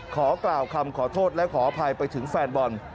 ขอกล่าวคำขอโทษและขออภัยไปถึงแฟนบอล